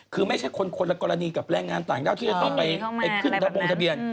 คือไม่ใช่คนคนละกรณีกับแรงงานต่างด้าวที่จะต้องไปขึ้นทะบงทะเบียน